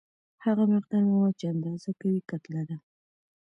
هغه مقدار مواد چې اندازه کوي کتله ده.